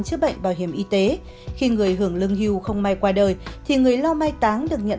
chữa bệnh bảo hiểm y tế khi người hưởng lương hưu không may qua đời thì người lo mai táng được nhận